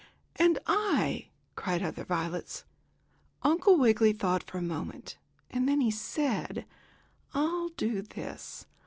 And I!" cried other violets. Uncle Wiggily thought for a minute, and then he said: "I'll do this.